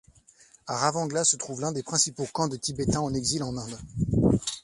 A Ravangla se trouve l'un des principaux camps de Tibétains en exil en Inde.